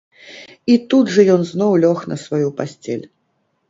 - І тут жа ён зноў лёг на сваю пасцель